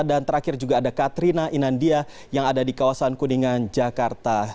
dan terakhir juga ada katrina inandia yang ada di kawasan kuningan jakarta